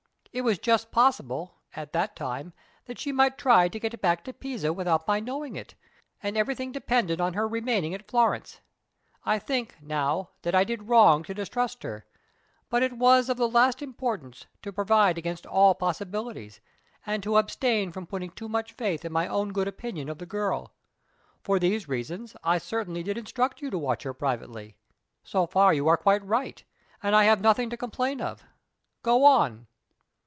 It was just possible, at that time, that she might try to get back to Pisa without my knowing it; and everything depended on her remaining at Florence. I think, now, that I did wrong to distrust her; but it was of the last importance to provide against all possibilities, and to abstain from putting too much faith in my own good opinion of the girl. For these reasons, I certainly did instruct you to watch her privately. So far you are quite right; and I have nothing to complain of. Go on."